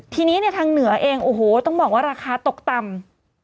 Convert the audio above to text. ทีนี้เนี่ยทางเหนือเองโอ้โหต้องบอกว่าราคาตกต่ำ